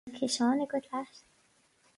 An bhfuil ciseán agat leat?